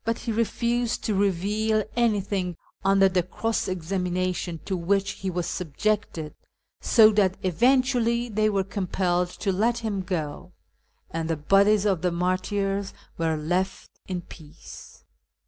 ISFAHAN 215 faithful old servant, but lie refused to reveal anything under the cross examination to which he was subjected, so that event ually they were compelled to let him go, and the bodies of the martyrs were left in peace.